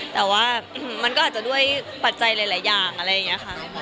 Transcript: แต่ว่ามันก็อาจจะด้วยปัจจัยหลายอย่างอะไรอย่างนี้ค่ะ